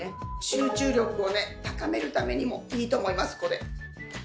集中力をね高めるためにもいいと思いますこれ。